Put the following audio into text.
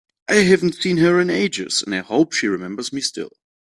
I haven’t seen her in ages, and I hope she remembers me still!